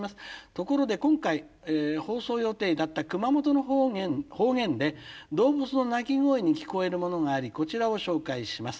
ところで今回放送予定だった熊本の方言で動物の鳴き声に聞こえるものがありこちらを紹介します。